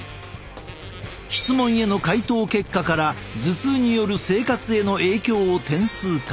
質問への回答結果から頭痛による生活への影響を点数化。